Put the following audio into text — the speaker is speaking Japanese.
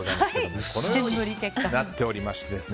このようになっておりまして。